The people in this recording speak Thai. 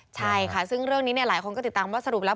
ใช่ค่ะซึ่งเรื่องนี้หลายคนก็ติดตามว่าสรุปแล้ว